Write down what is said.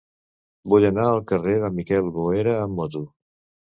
Vull anar al carrer de Miquel Boera amb moto.